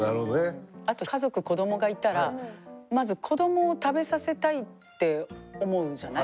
あと家族子供がいたらまず子供を食べさせたいって思うんじゃない？